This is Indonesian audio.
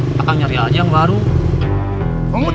kakang nyari aja yang baru